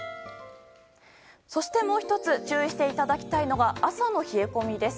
そして、もう１つ注意していただきたいのが朝の冷え込みです。